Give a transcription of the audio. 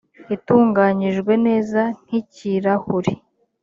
itunganyijwe neza nk ikirahuri